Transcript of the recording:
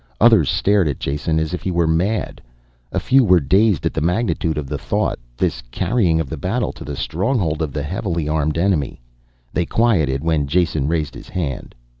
Others stared at Jason as if he were mad. A few were dazed at the magnitude of the thought, this carrying of the battle to the stronghold of the heavily armed enemy. They quieted when Jason raised his hand.